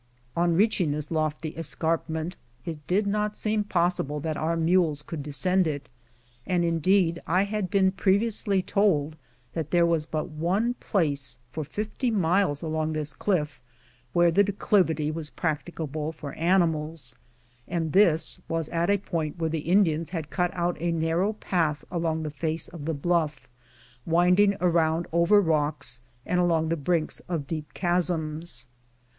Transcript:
On reaching this lofty escarpment, it did not seem pos sible that our mules could descend it, and, indeed, I had been previously told that there was but one place for fifty miles along this cliff where the declivity was practicable for animals, and this was at a point where the Indians had cut out a narrow path along the face of the bluff, winding around over rocks and along the brinks of deep chasms.